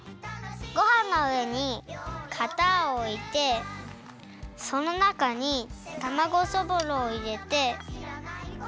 ごはんのうえにかたをおいてそのなかにたまごそぼろをいれて。